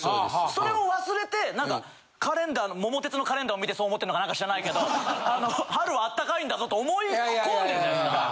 それを忘れて何か『桃鉄』のカレンダーを見てそう思ってるのか何か知らないけど春は暖かいんだぞと思い込んでるじゃないすか！